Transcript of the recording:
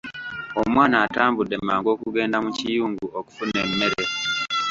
Omwana atambudde mangu okugenda mu kiyungu okufuna emmere.